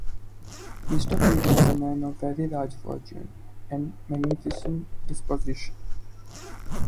Mr. P. was a man of very large fortune, and magnificent disposition.